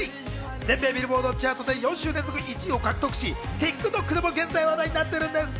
全米ビルボードチャートで４週連続１位を獲得し、ＴｉｋＴｏｋでも現在話題になっているんです。